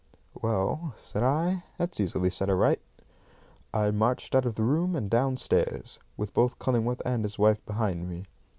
"Well," said I, "that's easily set right." I marched out of the room and downstairs, with both Cullingworth and his wife behind me.